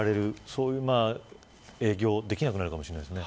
そういう営業はできなくなるかもしれません。